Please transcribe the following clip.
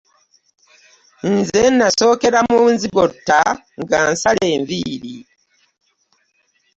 Nze nasookera mu nzigotta nga nsala enviiri.